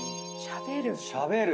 しゃべる。